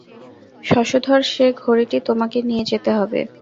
শশধর, সে ঘড়িটি তোমাকে নিয়ে যেতে হবে।